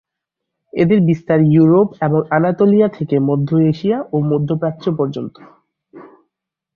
এদের বিস্তার ইউরোপ এবং আনাতোলিয়া থেকে মধ্য এশিয়া ও মধ্যপ্রাচ্য পর্যন্ত।